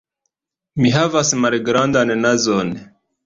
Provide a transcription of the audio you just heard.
Mi havas malgrandan nazon.